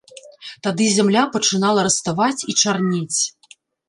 Тады зямля пачынала раставаць і чарнець.